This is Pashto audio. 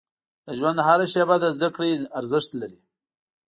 • د ژوند هره شیبه د زده کړې ارزښت لري.